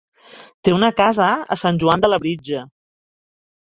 Té una casa a Sant Joan de Labritja.